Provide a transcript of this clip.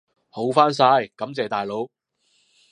好返晒，感謝大佬！